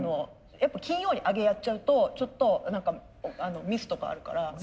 やっぱ金曜にアゲやっちゃうとちょっとミスとかあるから。